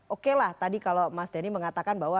oke lah tadi kalau mas denny mengatakan bahwa